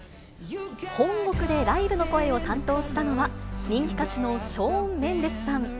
本国でライルの声を担当したのは、人気歌手のショーン・メンデスさん。